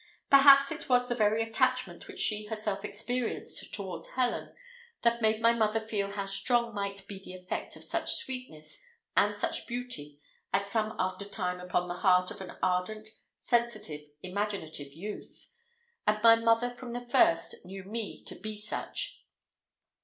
Perhaps it was the very attachment which she herself experienced towards Helen, that made my mother feel how strong might be the effect of such sweetness and such beauty at some after time upon the heart of an ardent, sensitive, imaginative youth and my mother from the first knew me to be such.